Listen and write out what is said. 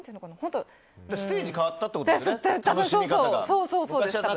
ステージ変わったってことだよね